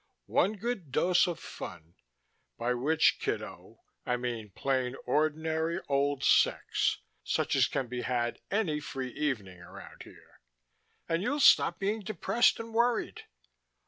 One good dose of fun by which, kiddo, I mean plain ordinary old sex, such as can be had any free evening around here and you'll stop being depressed and worried.